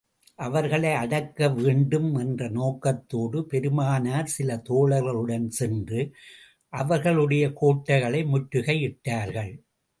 அவர்களை அடக்க வேண்டும் என்ற நோக்கத்தோடு பெருமானார் சில தோழர்களுடன் சென்று, அவர்களுடைய கோட்டைகளை முற்றுகை இட்டார்கள்.